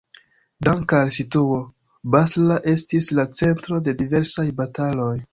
Dank al situo, Basra estis la centro de diversaj bataloj.